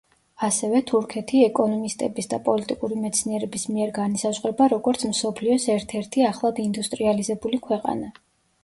ასევე, თურქეთი ეკონომისტების და პოლიტიკური მეცნიერების მიერ განისაზღვრება, როგორც მსოფლიოს ერთ-ერთი ახლად ინდუსტრიალიზებული ქვეყანა.